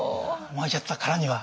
巻いちゃったからには。